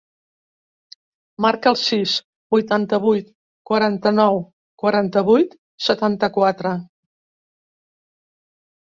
Marca el sis, vuitanta-vuit, quaranta-nou, quaranta-vuit, setanta-quatre.